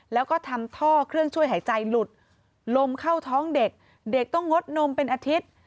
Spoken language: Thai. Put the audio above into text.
แล้วก็ทำท่อเครื่องช่วยหายใจหลุดลมเข้าท้องเด็กเด็กต้องงดนมเป็นอาทิตย์